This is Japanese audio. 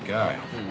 うん。